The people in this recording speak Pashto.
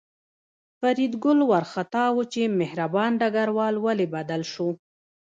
فریدګل وارخطا و چې مهربان ډګروال ولې بدل شو